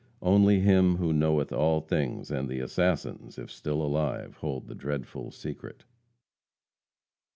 Only Him who knoweth all things, and the assassins, if still alive, hold the dreadful secret.